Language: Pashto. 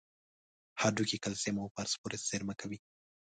هډوکي کلسیم او فاسفورس زیرمه کوي.